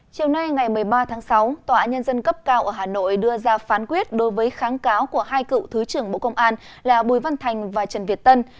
chiều nay ngày một mươi ba tháng sáu tòa án nhân dân cấp cao ở hà nội đưa ra phán quyết đối với kháng cáo của hai cựu thứ trưởng bộ công an là bùi văn thành và trần việt tân